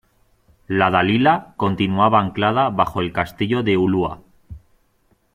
" la Dalila " continuaba anclada bajo el Castillo de Ulua ,